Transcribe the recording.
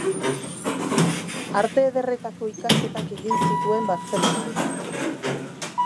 Arte Ederretako ikasketak egin zituen, Bartzelonan.